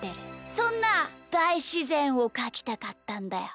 そんなだいしぜんをかきたかったんだよ。